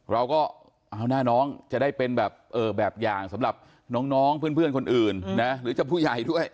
เราก็เอาหน้าน้องจะได้เป็นแบบอย่างสำหรับน้องเพื่อนคนอื่นนะหรือจะผู้ใหญ่ด้วย